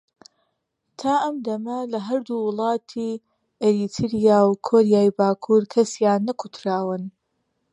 تا ئەم دەمە لە هەردوو وڵاتی ئەریتریا و کۆریای باکوور کەسیان نەکوتراون